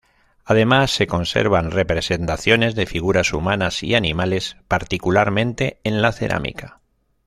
Además, se conservan representaciones de figuras humanas y animales, particularmente en la cerámica.